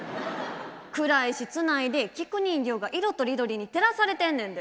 暗い室内で菊人形が色とりどりに照らされてんねんで。